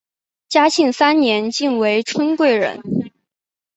嘉庆三年晋为春贵人。